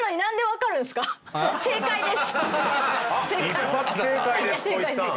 一発正解です光一さん。